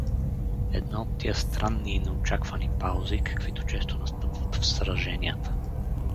Една от тия странни и неочаквани паузи, каквито често настъпват в сраженията.